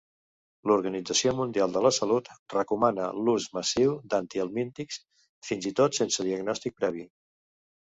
L'Organització Mundial de la Salut recomana l'ús massiu d'antihelmíntics fins i tot sense diagnòstic previ.